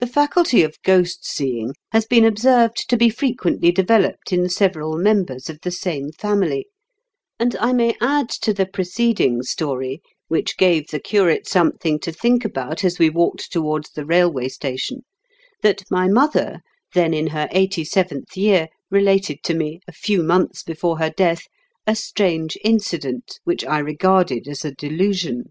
The faculty of ghost seeing has been observed to be frequently developed in several members of the same family ; and I may add to the preceding story, which gave the curate something to think about as we walked towards the railway station, that my mother, then in her eighty seventh year, related to me, a few months before her death, a strange incident, which I regarded as a delusion.